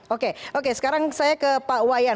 oke oke sekarang saya ke pak wayan